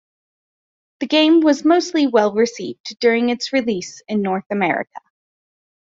The game was mostly well-received during its release in North America.